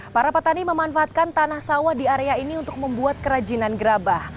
para petani memanfaatkan tanah sawah di area ini untuk membuat kerajinan gerabah